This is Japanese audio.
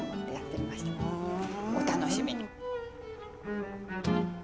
お楽しみに。